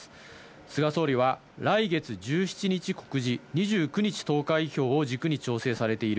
菅総理は来月１７日に告示、２９日、投開票を軸に調整されている。